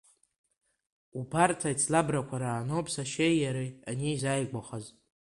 Убарҭ аицлабрақәа рааноуп сашьеи иареи анеизааигәахаз.